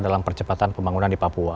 dalam percepatan pembangunan di papua